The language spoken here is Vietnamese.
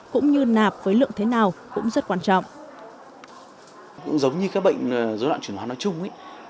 cũng như nạp với lượng thế nào cũng rất quan trọng